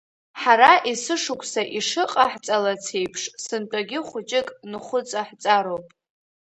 Ҳара есышықәса ишыҟаҳҵалац еиԥш, сынтәагьы хәыҷык нхәыҵаҳҵароуп.